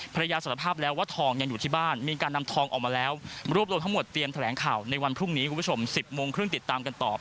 สารภาพแล้วว่าทองยังอยู่ที่บ้านมีการนำทองออกมาแล้วรวบรวมทั้งหมดเตรียมแถลงข่าวในวันพรุ่งนี้คุณผู้ชม๑๐โมงครึ่งติดตามกันต่อ